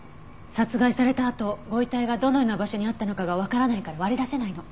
殺害されたあとご遺体がどのような場所にあったのかがわからないから割り出せないの。